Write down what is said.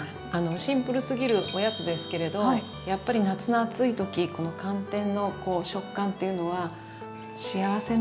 シンプルすぎるおやつですけれどやっぱり夏の暑い時この寒天の食感っていうのは幸せなんですよね。